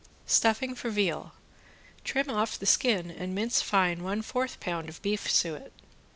~STUFFING FOR VEAL~ Trim off the skin and mince fine one fourth pound of beef suet.